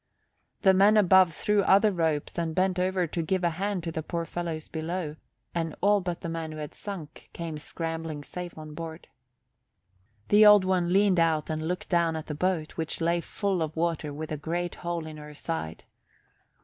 The men above threw other ropes and bent over to give a hand to the poor fellows below, and all but the man who had sunk came scrambling safe on board. The Old One leaned out and looked down at the boat, which lay full of water, with a great hole in her side.